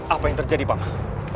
apa yang terjadi pak mah